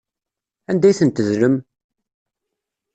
Anda ay ten-tedlem?